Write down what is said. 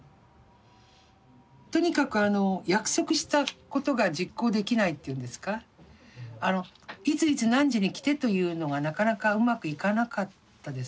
とにかく約束したことが実行できないっていうんですかいついつ何時に来てというのがなかなかうまくいかなかったですね。